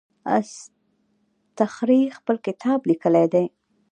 اصطخري خپل کتاب لیکلی دی.